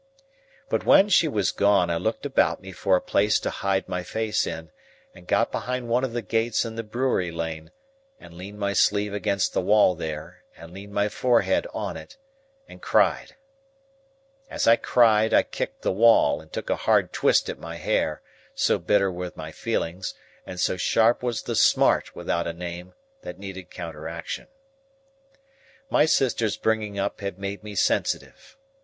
But when she was gone, I looked about me for a place to hide my face in, and got behind one of the gates in the brewery lane, and leaned my sleeve against the wall there, and leaned my forehead on it and cried. As I cried, I kicked the wall, and took a hard twist at my hair; so bitter were my feelings, and so sharp was the smart without a name, that needed counteraction. My sister's bringing up had made me sensitive.